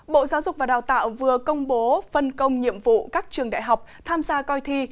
bộ giáo dục và đào tạo vừa công bố phân công nhiệm vụ các trường đại học tham gia coi thi